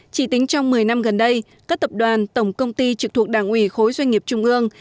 chỉ tính trong một mươi năm gần đây các tập đoàn tổng công ty trực thuộc đảng ủy khối doanh nghiệp trung ương